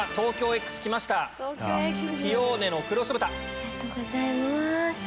ありがとうございます。